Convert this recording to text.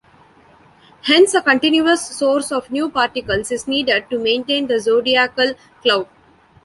Hence a continuous source of new particles is needed to maintain the zodiacal cloud.